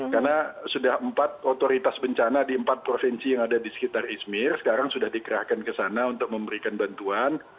karena sudah empat otoritas bencana di empat provinsi yang ada di sekitar izmir sekarang sudah dikerahkan ke sana untuk memberikan bantuan